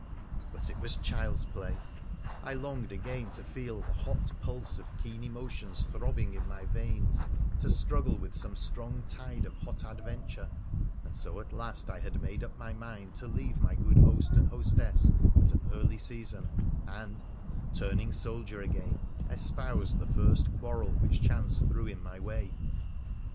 But it was child's play. I longed again to feel the hot pulse of keen emotions throbbing in my veins, to struggle with some strong tide of hot adventure, and so at last I bad made up my mind to leave my good host and hostess at an early season, and, turning soldier again, espouse the first quarrel which chance threw in my way.